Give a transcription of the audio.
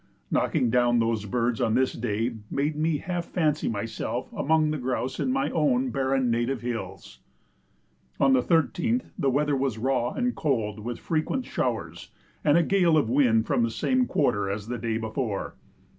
Knocking down those birds on this day made me half fancy myself among the grouse in my own barren native hills. On the 13th the weather was raw and cold with frequent showers, and a gale of wind from the same quarter as the day before.